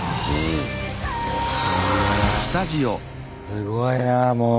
すごいなもう。